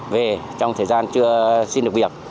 về trong thời gian chưa xin được việc